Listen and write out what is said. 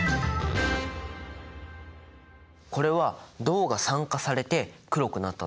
これは銅が酸化されて黒くなったんだよね。